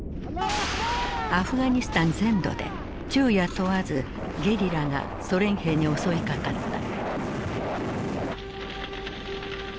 アフガニスタン全土で昼夜問わずゲリラがソ連兵に襲いかかった。